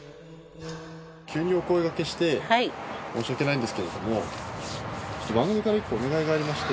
急にお声がけして申し訳ないんですけれどもちょっと番組から１個お願いがありまして。